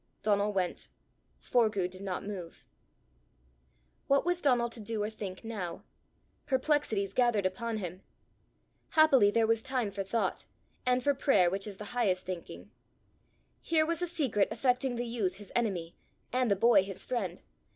Donal went. Forgue did not move. What was Donal to do or think now? Perplexities gathered upon him. Happily there was time for thought, and for prayer, which is the highest thinking. Here was a secret affecting the youth his enemy, and the boy his friend!